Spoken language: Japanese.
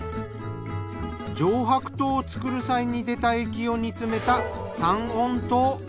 上白糖を作る際に出た液を煮詰めた三温糖。